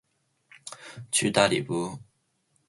去大理不